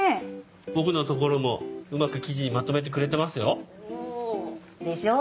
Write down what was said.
僕のところもうまく記事にまとめてくれてますよ。でしょう？